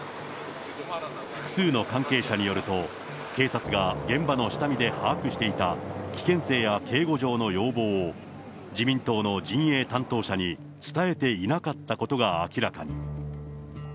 複数の関係者によると、警察が現場の下見で把握していた、危険性や警護上の要望を、自民党の陣営担当者に伝えていなかったことが明らかに。